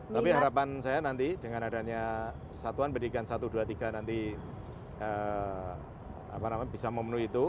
tapi harapan saya nanti dengan adanya satuan pendidikan satu dua tiga nanti bisa memenuhi itu